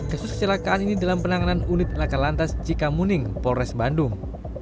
kasus kecelakaan ini dalam penanganan unit laka lantas cikamuning polres bandung